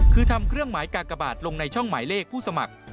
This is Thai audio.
คือทำเครื่องหมายกากบาทลงในช่องหมายเลขผู้สมัคร